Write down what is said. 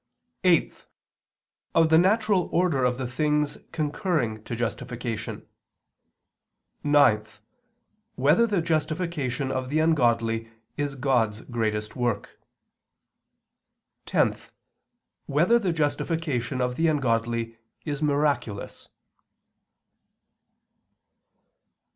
(8) Of the natural order of the things concurring to justification; (9) Whether the justification of the ungodly is God's greatest work? (10) Whether the justification of the ungodly is miraculous?